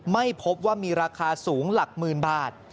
ไม่พบว่ามีราคาสูงหลักหมื่นบาท